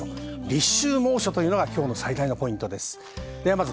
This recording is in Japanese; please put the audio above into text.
立秋、猛暑というのが今日の最大のポイントです。